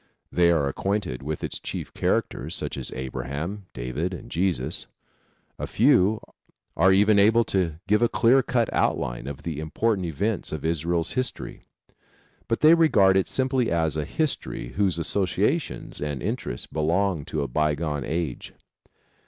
They are acquainted with its chief characters such as Abraham, David and Jesus. A few are even able to give a clear cut outline of the important events of Israel's history; but they regard it simply as a history whose associations and interests belong to a bygone age.